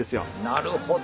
なるほど。